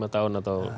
lima tahun atau kurang